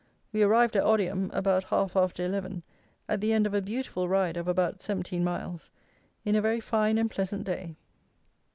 We arrived at Odiham about half after eleven, at the end of a beautiful ride of about seventeen miles, in a very fine and pleasant day.